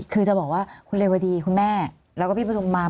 คือจะบอกว่าคุณเรวดีคุณแม่แล้วก็พี่ปฐุมมา